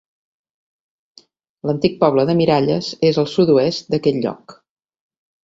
L'antic poble de Miralles és al sud-oest d'aquest lloc.